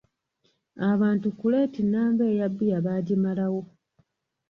Abantu kuleeti namba eya bbiya baagimalawo.